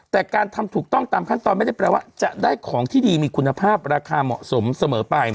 แต่การทำถูกต้องตามขั้นตอนไม่ได้แปลว่าจะได้ของที่ดีมีคุณภาพราคาเหมาะสมเสมอไป